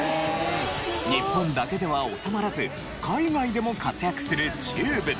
日本だけでは収まらず海外でも活躍するＴＵＢＥ。